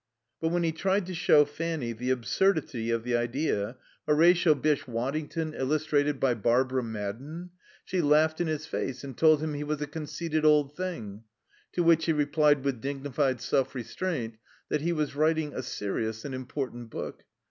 But when he tried to show Fanny the absurdity of the idea Horatio Bysshe Waddington illustrated by Barbara Madden she laughed in his face and told him he was a conceited old thing. To which he replied, with dignified self restraint, that he was writing a serious and important book.